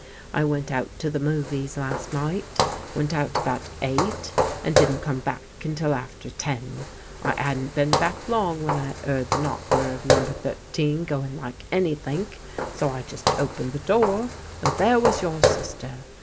I vrcnt out to the movies last nighL Went out about eight and didn't come back until after ten. I 'adn't been back kmg when I 'eard the knocker of iramber 13 going like anythink, so I just <^>ened the door, and there was yoar sister.